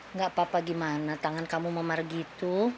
nggak apa apa gimana tangan kamu memar gitu